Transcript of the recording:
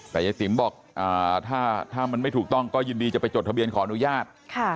แต่ยายติ๋มบอกถ้ามันไม่ถูกต้องก็ยินดีจะไปจดทะเบียนขออนุญาต